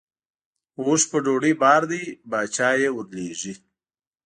اوښ په ډوډۍ بار دی باچا یې ورلېږي.